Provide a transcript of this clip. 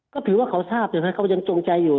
ก็คิดว่าเขาทราบอย่างนั้นเขายังจงใจอยู่